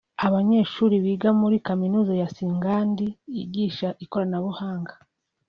Abanyeshuri biga muri Kaminuza ya Singhad yigisha ikoranabuhanga